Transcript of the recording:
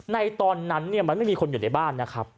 ในตอนนั้นมันไม่มีคนอยู่ในบ้านนะครับ